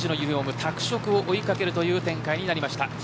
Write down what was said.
拓殖を追いかける展開になりました。